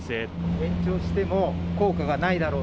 延長しても効果がないだろう？